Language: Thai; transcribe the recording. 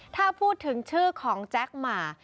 ถ้าพูดถึงชื่อของแจ๊คหมา